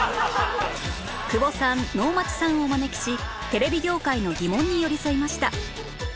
久保さん能町さんをお招きしテレビ業界の疑問に寄り添いました